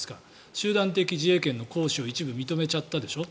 集団的自衛権の行使を一部認めちゃったでしょ。